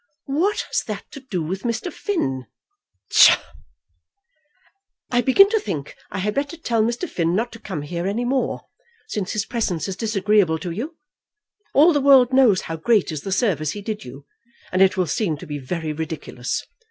"What has that to do with Mr. Finn?" "Psha!" "I begin to think I had better tell Mr. Finn not to come here any more, since his presence is disagreeable to you. All the world knows how great is the service he did you, and it will seem to be very ridiculous.